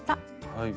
はい。